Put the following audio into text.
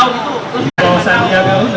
dari usia lima puluh tiga tahun